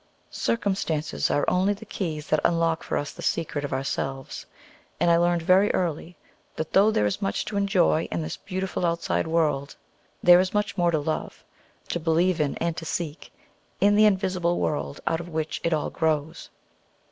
Circumstances are only the keys that unlock for us the secret of ourselves; and I learned very early that though there is much to enjoy in this beautiful outside world, there is much more to love, to believe in, and to seek, in the invisible world out of which it all grows.